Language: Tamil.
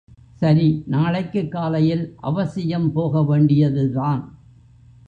சரி நாளைக்குக் காலையில் அவசியம் போக வேண்டியதுதான்.